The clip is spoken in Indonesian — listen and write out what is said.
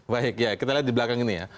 baik ya kita lihat di belakang ini ya